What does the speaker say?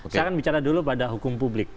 saya akan bicara dulu pada hukum publik